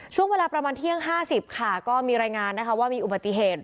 ช่วงเวลาประมาณเที่ยง๕๐ค่ะก็มีรายงานนะคะว่ามีอุบัติเหตุ